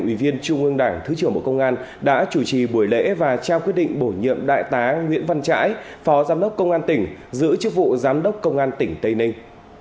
ủy viên trung ương đảng thứ trưởng bộ công an đã chủ trì buổi lễ và trao quyết định bổ nhiệm đại tá nguyễn văn trãi phó giám đốc công an tỉnh giữ chức vụ giám đốc công an tỉnh tây ninh